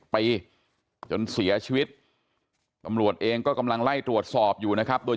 ปีจนเสียชีวิตตำรวจเองก็กำลังไล่ตรวจสอบอยู่นะครับโดย